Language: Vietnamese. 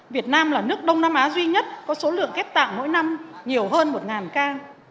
việt nam là nước đông nam á duy nhất có số lượng ghép tạng mỗi năm nhiều hơn một ca